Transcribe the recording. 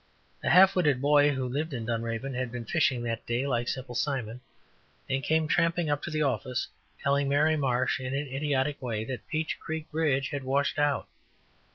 A half witted boy, who lived in Dunraven, had been fishing that day like "Simple Simon," and came tramping up to the office, telling Miss Marsh, in an idiotic way, that Peach Creek bridge had washed out.